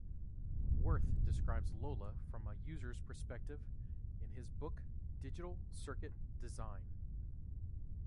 Wirth describes Lola from a user's perspective in his book "Digital Circuit Design".